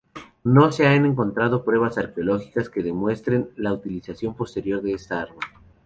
No se han encontrado pruebas arqueológicas que demuestren la utilización posterior de esta arma.